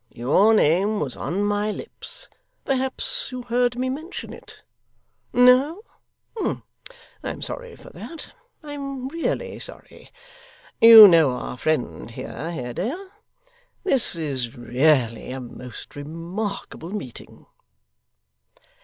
Your name was on my lips perhaps you heard me mention it? No? I am sorry for that. I am really sorry. You know our friend here, Haredale? This is really a most remarkable meeting!